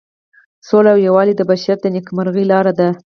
سوله او یووالی د بشریت د نیکمرغۍ لاره ده.